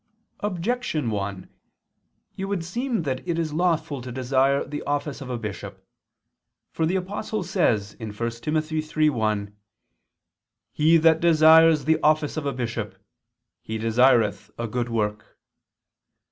Objection 1: It would seem that it is lawful to desire the office of a bishop. For the Apostle says (1 Tim. 3:1): "He that desires [Vulg.: 'If a man desire'] the office of a bishop, he desireth a good work."